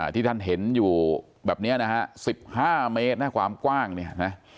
ที่ท่านเห็นอยู่แบบนี้นะฮะ๑๕เมตรนะความกว้างเนี่ยนะ